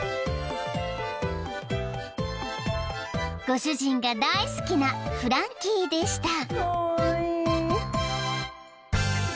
［ご主人が大好きなフランキーでした］